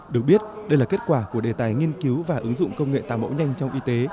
được biết đây là kết quả của đề tài nghiên cứu và ứng dụng công nghệ tạo mẫu nhanh trong y tế